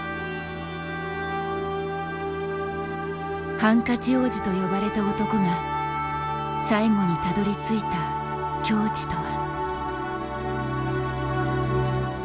ハンカチ王子と呼ばれた男が最後にたどりついた境地とは。